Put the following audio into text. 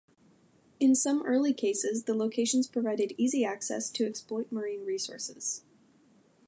In some early cases the locations provided easy access to exploit marine resources.